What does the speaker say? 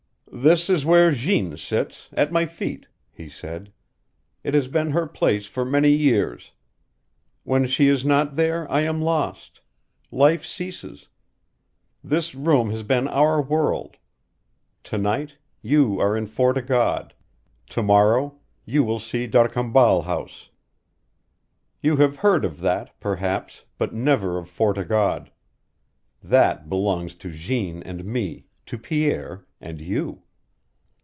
"There is where Jeanne sits at my feet," he said. "It has been her place for many years. When she is not there I am lost. Life ceases. This room has been our world. To night you are in Fort o' God; to morrow you will see D'Arcambal House. You have heard of that, perhaps, but never of Fort o' God. That belongs to Jeanne and me, to Pierre and you.